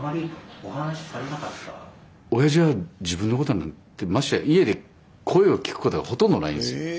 おやじは自分のことなんてましてや家で声を聞くことがほとんどないんですよ。え！？